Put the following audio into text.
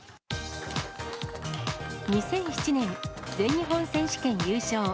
２００７年、全日本選手権優勝。